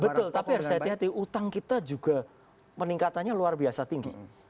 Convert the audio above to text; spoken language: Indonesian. betul tapi harus hati hati utang kita juga peningkatannya luar biasa tinggi